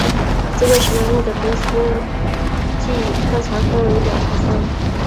这个节目的播出季通常分为两部份。